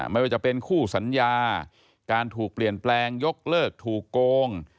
ไม่ว่าจะเป็นคู่สัญญาการถูกเปลี่ยนแปลงยกเลิกถูกโกง